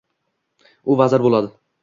U vazir boʻladi.